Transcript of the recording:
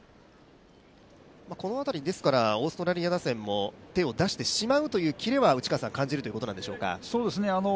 この辺り、オーストラリア打線も手を出してしまうというキレは感じるということなんでしょうか。